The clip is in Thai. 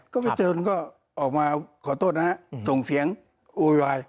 ก็พัชโชนก็ออกมาขอโทษนะฮะส่งเสียงอุ๊ยวาย